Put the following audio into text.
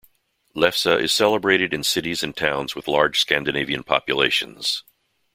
Lefse is celebrated in cities and towns with large Scandinavian populations.